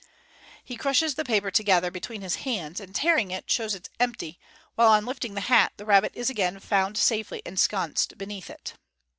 He crushes the paper together between his hands, and tearing it, shows it empty, while on lifting the hat the rabbit is again found safely ensconced beneath it.